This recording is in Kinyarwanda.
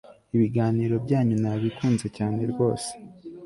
ibiganiro byanyu nabikunze cyane rwose